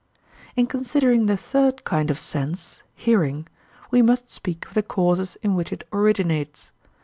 In considering the third kind of sense, hearing, we must speak of the causes in which it originates.